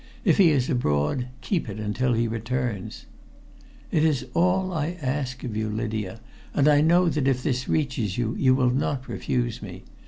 If he is abroad, keep it until he returns. "It is all I ask of you, Lydia, and I know that if this reaches you, you will not refuse me.